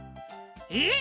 「えっ？